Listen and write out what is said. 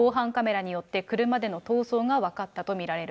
防犯カメラによって車での逃走を図ったと見られる。